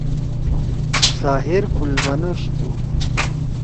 ظاہر کُل بنوش تُھو۔